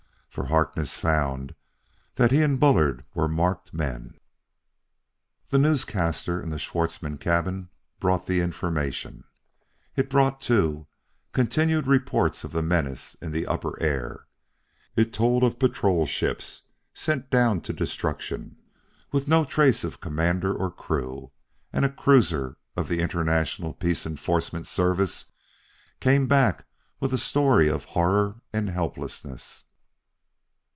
For Harkness found that he and Bullard were marked men. The newscaster in the Schwartzmann cabin brought the information. It brought, too, continued reports of the menace in the upper air. It told of patrol ships sent down to destruction with no trace of commander or crew; and a cruiser of the International Peace Enforcement Service came back with a story of horror and helplessness.